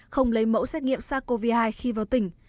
không lấy mẫu xét nghiệm sars cov hai khi vào tỉnh